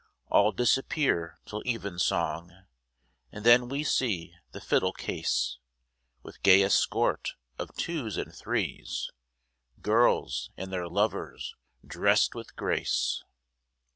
All disappear till evensong, And then we see the fiddle case, With gay escort of twos and threes, Girls and their lovers drest with grace.